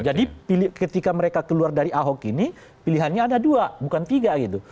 jadi ketika mereka keluar dari ahok ini pilihannya ada dua bukan tiga gitu